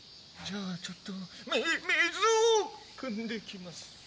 じゃあちょっとみ水をくんできます。